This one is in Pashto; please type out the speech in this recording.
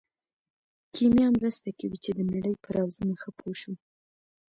کیمیا مرسته کوي چې د نړۍ په رازونو ښه پوه شو.